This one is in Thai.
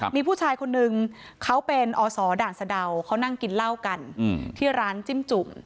มีผู้ชายคนนึงเขาเป็นอศด่านสะดาวเขานั่งกินเหล้ากันที่ร้านจิ้มจุ่ม